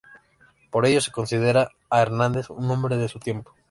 Por ello se considera a Hernández un hombre de su tiempo.